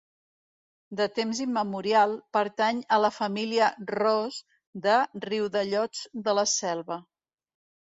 De temps immemorial, pertany a la família Ros de Riudellots de la Selva.